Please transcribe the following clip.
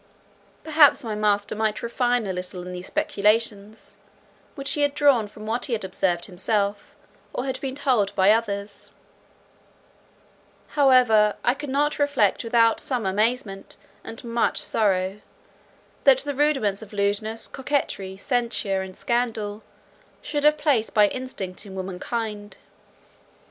Perhaps my master might refine a little in these speculations, which he had drawn from what he observed himself, or had been told him by others; however, I could not reflect without some amazement, and much sorrow, that the rudiments of lewdness, coquetry, censure, and scandal, should have place by instinct in womankind.